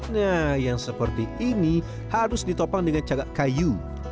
nah yang seperti ini harus ditopang dengan cagak kayu